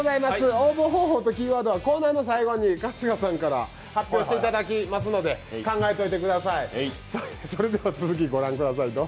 応募方法とキーワードはコーナーの最後に春日さんから発表していただきますので考えといてください。